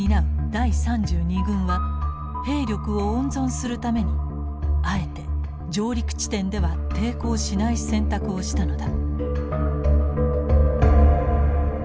第３２軍は兵力を温存するためにあえて上陸地点では抵抗しない選択をしたのだ。